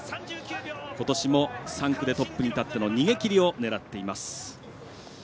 ことしも３区でトップに立っての逃げ切りを狙っています。